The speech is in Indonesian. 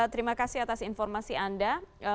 terima kasih atas informasi anda